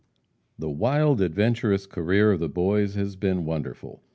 The wild, adventurous career of the boys has been wonderful.